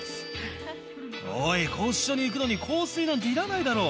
おい拘置所に行くのに香水なんていらないだろ。